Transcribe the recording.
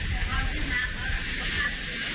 อ๋อผอมกว่าเดิมเยอะไหมครับ